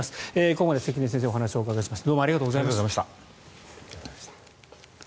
ここまで関根先生にお話お伺いしました。